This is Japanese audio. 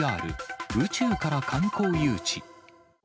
宇宙から観光誘致。